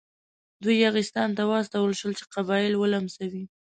دوی یاغستان ته واستول شول چې قبایل ولمسوي.